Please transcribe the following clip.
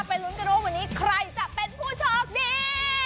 ลุ้นกันว่าวันนี้ใครจะเป็นผู้โชคดี